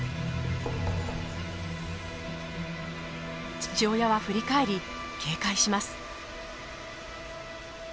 父親は振り返り警戒します。